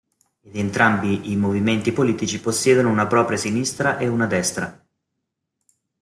Ed entrambi i movimenti politici possiedono una propria sinistra e una destra.